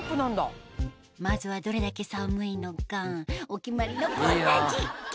まずはどれだけ寒いのかお決まりのこんな実験